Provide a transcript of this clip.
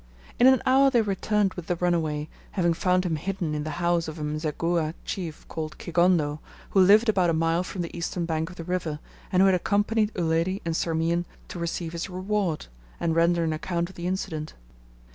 In an hour they returned with the runaway, having found him hidden in the house of a Mseguhha chief called Kigondo, who lived about a mile from the eastern bank of the river, and who had accompanied Uledi and Sarmean to receive his reward, and render an account of the incident.